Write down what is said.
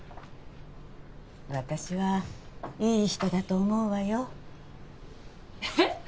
私はいい人だと思うわよえっ？